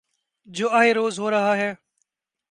جو آئے روز ہو رہا ہے۔